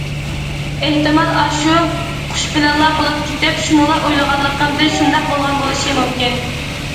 ئېھتىمال ئاشۇ قۇش بىلەنلا بولۇپ كېتىپ، شۇنىلا ئويلىغانلىقىمدىن شۇنداق بولغان بولۇشى مۇمكىن.